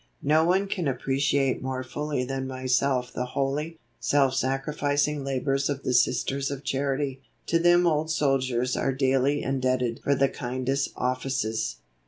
"No one can appreciate more fully than myself the holy, self sacrificing labors of the Sisters of Charity. To them old soldiers are daily indebted for the kindest offices.